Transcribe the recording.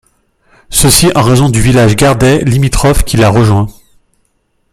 Ceci en raison du village Gardais limitrophe qui l'a rejoint.